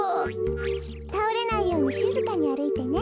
たおれないようにしずかにあるいてね。